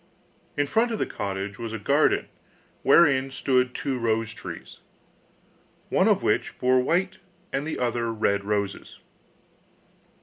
In front of the cottage was a garden wherein stood two rose trees, one of which bore white and the other red roses.